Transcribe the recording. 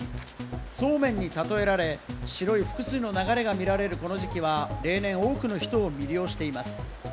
ソーメンにたとえられ、白い複数の流れが見られるこの時期は例年多くの人を魅了しています。